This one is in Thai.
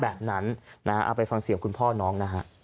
เอาไปฟังเสียงคุณพ่อน้อง